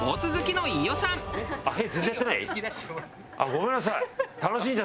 ごめんなさい。